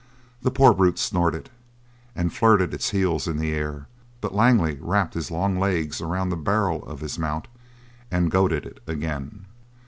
The poor brute snorted and flirted its heels in the air, but Langley wrapped his long legs around the barrel of his mount and goaded it again.